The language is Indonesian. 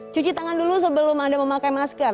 cuci tangan dulu sebelum anda memakai masker